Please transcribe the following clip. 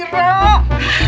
mak sabar mak